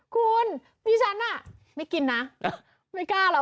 คุณพี่ฉันอ่ะไม่กินนะไม่กล้าแล้วอ่ะ